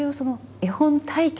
絵本を体験。